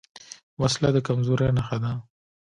وسله د کمزورۍ نښه ده